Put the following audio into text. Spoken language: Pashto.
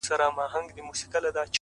پوهه د محدودیتونو پولې نړوي’